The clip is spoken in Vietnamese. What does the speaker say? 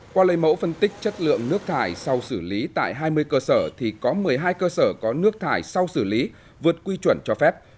qua lấy mẫu phân tích chất lượng nước thải sau xử lý tại hai mươi cơ sở thì có một mươi hai cơ sở có nước thải sau xử lý vượt quy chuẩn cho phép